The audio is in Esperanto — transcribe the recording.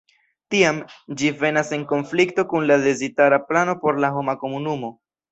Tiam, ĝi venas en konflikto kun la dezirata plano por la homa komunumo.